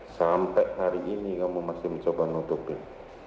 sampai hari ini kamu masih mencoba nutupin